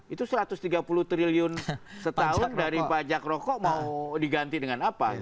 itu satu ratus tiga puluh triliun setahun dari pajak rokok mau diganti dengan apa